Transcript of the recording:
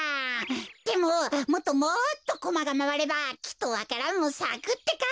でももっともっとコマがまわればきっとわか蘭もさくってか！